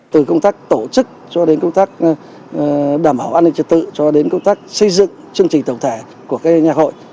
từ công tác tổ chức cho đến công tác đảm bảo an ninh trật tự cho đến công tác xây dựng chương trình tổng thể của nhà hội